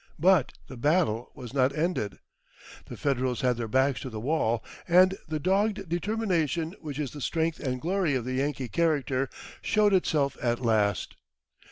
But the battle was not ended. The Federals had their backs to the wall, and the dogged determination which is the strength and glory of the Yankee character showed itself at last.